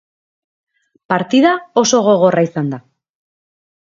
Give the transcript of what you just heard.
Partida oso gogorra izan da.